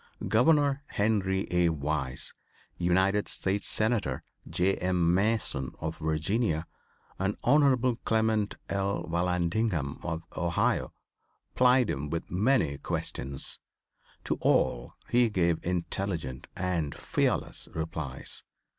Governor Henry A. Wise, United States Senator J. M. Mason of Virginia and Honorable Clement L. Vallandingham of Ohio plied him with many questions. To all he gave intelligent and fearless replies.